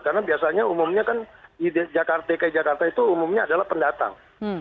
karena biasanya umumnya kan jakarta itu umumnya adalah pendatang